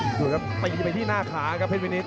ดูครับตีไปที่หน้าขาครับเพชรวินิต